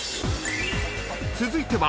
［続いては］